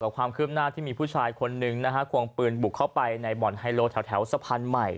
การที่บุกปืนผู้ชายคนนึงในบอร์นไฮโลแถวสะพานใหม่